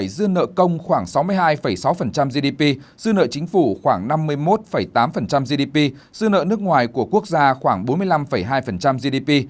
dư nợ công khoảng sáu mươi hai sáu gdp dư nợ chính phủ khoảng năm mươi một tám gdp dư nợ nước ngoài của quốc gia khoảng bốn mươi năm hai gdp